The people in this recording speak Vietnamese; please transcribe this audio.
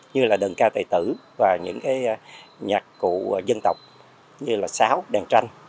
như là đần ca tài tử và những nhạc cụ dân tộc như là sáo đèn tranh